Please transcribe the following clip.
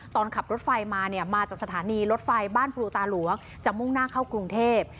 ตอนขับรถไฟมาเนี่ยมาจากสถานีรถไฟบ้านภูตาหลวงจะมุ่งหน้าเข้ากรุงเทพ